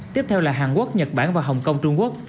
tiếp theo là hàn quốc nhật bản và hồng kông trung quốc